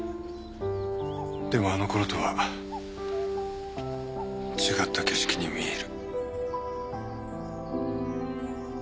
でもあの頃とは違った景色に見える。